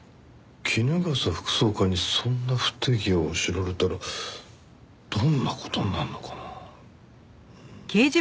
衣笠副総監にそんな不手際を知られたらどんな事になるのかな？